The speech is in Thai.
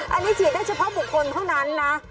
อันนี้ฉีดได้เฉพาะบุคคลเท่านั้นนะ